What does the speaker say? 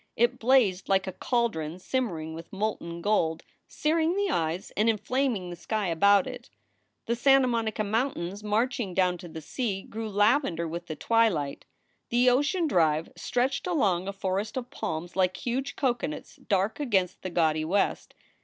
It blazed like a caldron simmering with molten gold, searing the eyes and inflaming the sky about it. The Santa Monica Mountains marching down to the sea grew lavender with the twilight. The Ocean Drive stretched along a forest of palms like huge coconuts dark against the gaudy west.